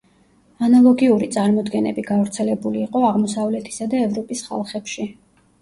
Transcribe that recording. ანალოგიური წარმოდგენები გავრცელებული იყო აღმოსავლეთისა და ევროპის ხალხებში.